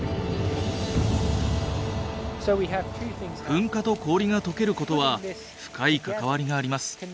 噴火と氷が解けることは深い関わりがあります。